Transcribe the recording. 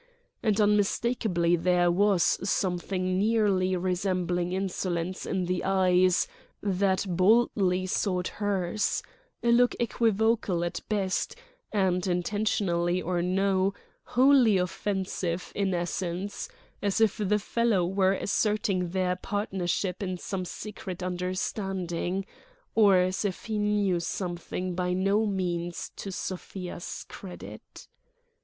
And unmistakably there was something nearly resembling insolence in the eyes that boldly sought hers: a look equivocal at best and, intentionally or no, wholly offensive in essence; as if the fellow were asserting their partnership in some secret understanding; or as if he knew something by no means to Sofia's credit....